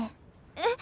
えっ？